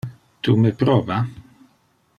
Tu me proba?